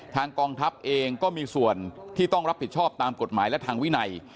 กองทัพเองก็มีส่วนที่ต้องรับผิดชอบตามกฎหมายและทางวินัย